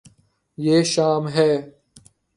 یے شام ہے